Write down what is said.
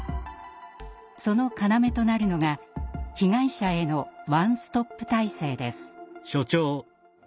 その要となるのが被害者へのワンストップ体制です。